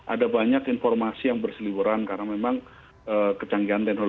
ada banyak informasi yang berseliburan karena memang kecanggihan teknologi